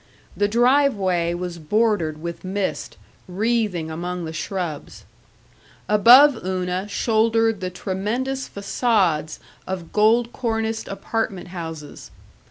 The driveway was bordered with mist wreathing among the shrubs. Above Una shouldered the tremendous façades of gold corniced apartment houses.